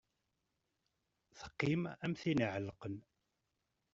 Teqqim am tin iɛelqen.